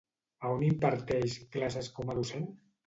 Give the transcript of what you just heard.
A on imparteix classes com a docent?